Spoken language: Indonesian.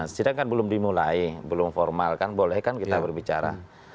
sidang kan belum dimulai belum formal kan boleh kan kita berbicara